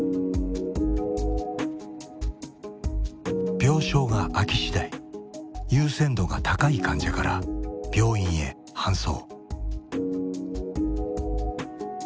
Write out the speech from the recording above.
病床が空き次第優先度が高い患者から病院へ搬送。